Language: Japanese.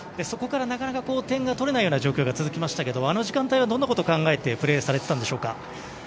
そこから、なかなか点が取れない状況が続きましたがあの時間帯は、どんなことを考えてプレーされてたんでしょうか？